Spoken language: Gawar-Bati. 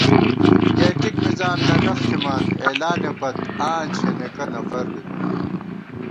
گېٹِک مِزان لگَخ تھِمان، اعلانےپت آں چھېنېکہ نفربِمېم